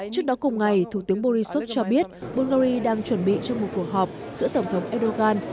trước đó cùng ngày thủ tướng borisov cho biết bulgari đang chuẩn bị cho một cuộc họp giữa tổng thống erdogan